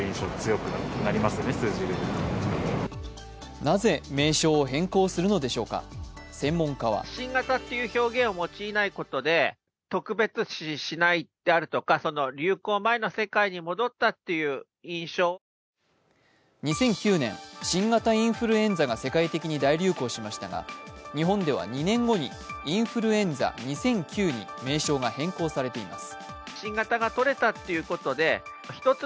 なぜ名称を変更するのでしょうか、専門家は２００９年、新型インフルエンザが世界的に大流行しましたが、日本では２年後に、インフルエンザ２００９に名称が変更されています。